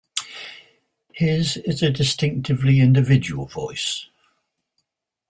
His is a distinctively individual voice.